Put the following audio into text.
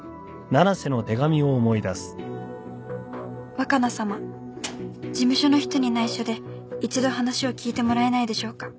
「若菜様事務所の人に内緒で１度話を聞いてもらえないでしょうか？」